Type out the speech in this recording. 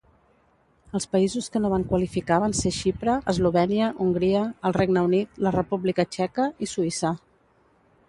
Els països que no van qualificar van ser Xipre, Eslovènia, Hongria, el Regne Unit, la República Txeca i Suïssa.